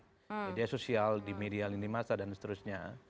media sosial di media lini masa dan seterusnya